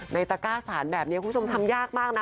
ในตรก้าสันแบบนี้คุณสวมทำงากมากนะ